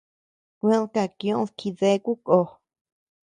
Kued kakioʼöd jideku ko.